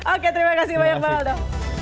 oke terima kasih banyak baldo